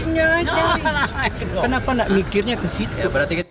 nyai nyai kenapa gak mikirnya ke situ